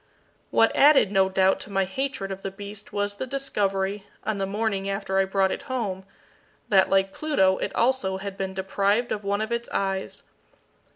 What added, no doubt, to my hatred of the beast was the discovery, on the morning after I brought it home, that, like Pluto, it also had been deprived of one of its eyes.